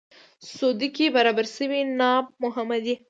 سعودي کې برابر شوی ناب محمدي.